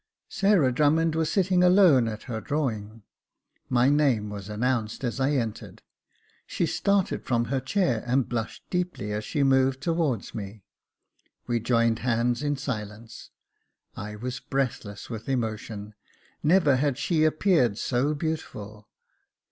Sarah Drummond was sitting alone at her drawing. My name was announced as I entered. She started from her chair, and blushed deeply as she moved towards me. We joined hands in silence. I was breathless with emotion. Never had she appeared so beautiful.